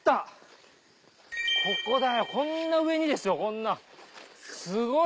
ここだよこんな上にですよこんなすごい！